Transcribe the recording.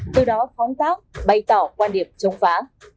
từ đó phóng tác bày tỏ quan điểm chống phá